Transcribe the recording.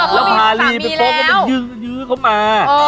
แล้วผาลีไปยื้อเข้ามา